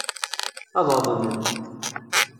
Ad aḍnen.